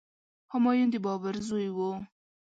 همایون د بابر زوی و.